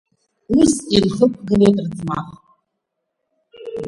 Ус инхықәгылеит рыӡмах…